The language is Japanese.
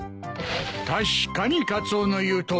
・確かにカツオの言うとおりだ。